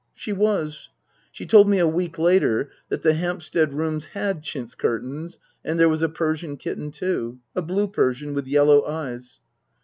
She was. She told me a week later that the Hampstead rooms had chintz curtains and there was a Persian kitten too. A blue Persian, with yellow eyes.